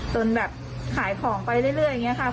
จนแบบขายของไปเรื่อยอย่างนี้ค่ะ